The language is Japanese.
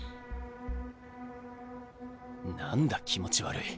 何だ気持ち悪い。